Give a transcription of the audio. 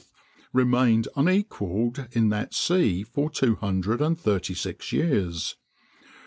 remained unequaled in that sea for two hundred and thirty six years."